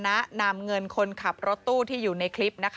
นายมาน้ำเงินคนขับรถตู้ที่อยู่ในคลิป